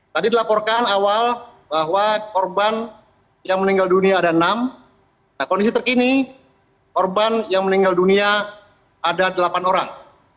tadi dilaporkan awal bahwa korban yang meninggal dunia ada enam kondisi terkini korban yang meninggal dunia ada delapan orang